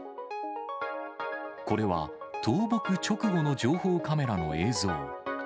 これは倒木直後の情報カメラの映像。